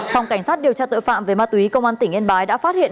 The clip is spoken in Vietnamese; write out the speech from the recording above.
phòng cảnh sát điều tra tội phạm về ma túy công an tỉnh yên bái đã phát hiện